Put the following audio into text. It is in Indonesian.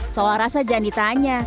soal rasa jangan ditanya